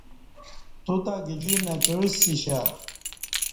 توتہ گجی نہ کع سشا